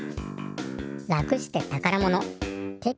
楽してたからもの。